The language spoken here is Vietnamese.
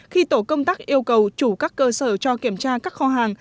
khi tổ công tác yêu cầu chủ các cơ sở cho kiểm tra các kho hàng